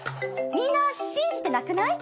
みんな信じてなくない？